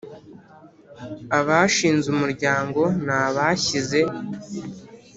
Abashinze umuryango ni abashyize